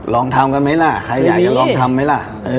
ลองทำกันไหมล่ะใครอยากจะลองทำไหมล่ะ